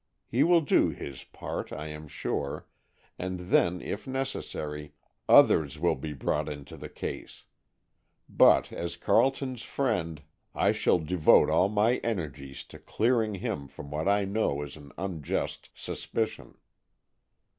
He will do his part, I am sure, and then, if necessary, others will be brought into the case. But, as Carleton's friend, I shall devote all my energies to clearing him from what I know is an unjust suspicion."